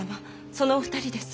そのお二人です。